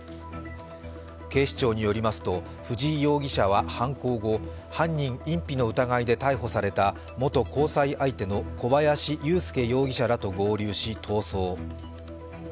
警視庁によりますと藤井容疑者は犯行後犯人隠避の疑いで逮捕された元交際相手の小林優介容疑者らと合流し逃走。